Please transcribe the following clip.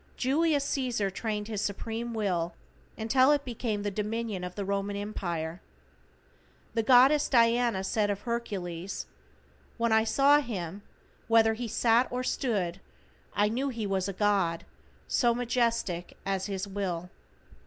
Julius Caesar trained his supreme will until it became the dominion of the Roman Empire. The goddess Diana said of Hercules: "When I saw him, whether he sat or stood, I knew he was a god, so majestic is his will."